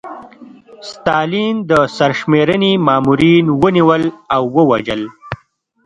ستالین د سرشمېرنې مامورین ونیول او ووژل.